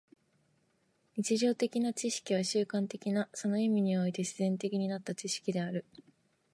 日常的な知識は習慣的な、その意味において自然的になった知識である。